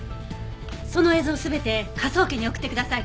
その映像を全て科捜研に送ってください。